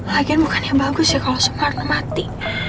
lagian bukan yang bagus ya kalau sumarno mati